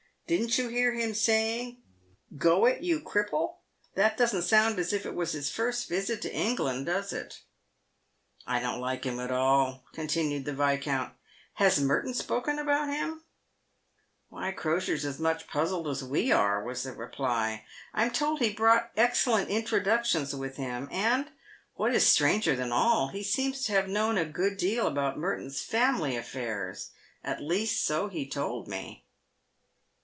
Didn't you hear him saying, ' Gk> it, you cripple ?' That doesn't sound as if it was his first visit to England, does it ?" "I don't like him at all," continued the Viscount. " Has Merton spoken about him ?"" Why, Crosier's as much puzzled as we are," was the reply. "I'm told he brought excellent introductions with him, and, what is : stranger than all, he seems to have known a good deal about Merton' s v family affairs — at least so he told me."